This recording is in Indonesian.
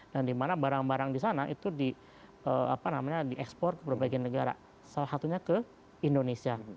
dan dimana barang barang di sana itu di ekspor ke berbagai negara salah satunya ke indonesia